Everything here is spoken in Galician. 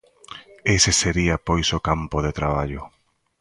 Ese sería pois o campo de traballo.